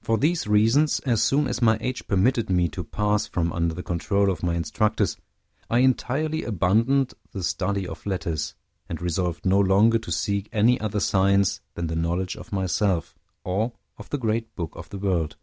For these reasons, as soon as my age permitted me to pass from under the control of my instructors, I entirely abandoned the study of letters, and resolved no longer to seek any other science than the knowledge of myself, or of the great book of the world.